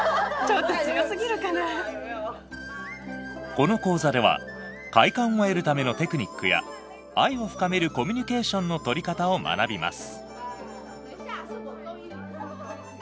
この講座では快感を得るためのテクニックや愛を深めるコミュニケーションの取り方を学びます。